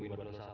eh apaan sih